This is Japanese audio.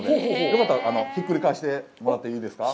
よかったら、ひっくり返してもらっていいですか。